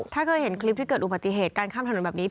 ถ้าเคยเห็นคลิปที่เกิดอุบัติเหตุการข้ามถนนแบบนี้